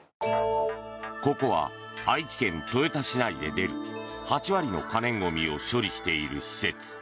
ここは愛知県豊田市内で出る８割の可燃ゴミを処理している施設。